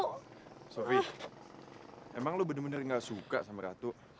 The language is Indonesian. sofi emang lo bener bener gak suka sama ratu